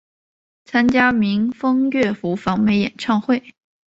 参与民风乐府访美演唱会。